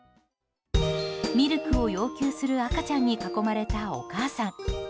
ミルクを要求する赤ちゃんに囲まれたお母さん。